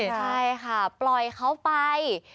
ใช่ค่ะปล่อยเขาไป